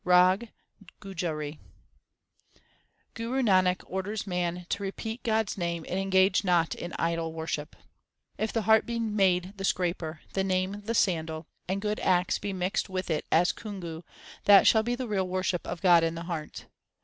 RAG GUJARI Guru Nanak orders man to repeat God s name and engage not in idol worship : If the heart be made the scraper, 1 the Name the sandal, And good acts be mixed with it as kungu, that shall be the real worship of God in the heart.